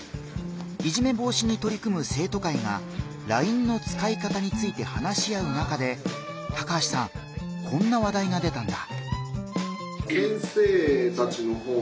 いじめ防止にとり組む生徒会がＬＩＮＥの使い方について話し合う中で高橋さんこんな話題が出たんだ。